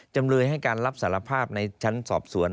จำเลยให้การรับสารภาพในชั้นสอบสวน